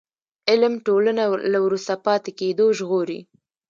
علم ټولنه له وروسته پاتې کېدو ژغوري.